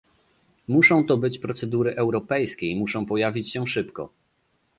Muszą to być procedury europejskie i muszą pojawić się szybko